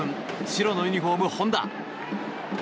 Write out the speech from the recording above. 白のユニホーム、ホンダ。